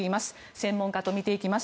専門家と見ていきます。